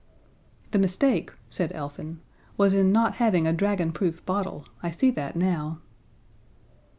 "The mistake," said Elfin, "was in not having a dragonproof bottle. I see that now."